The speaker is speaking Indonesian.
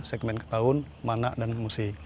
segmen ketahun mana dan musi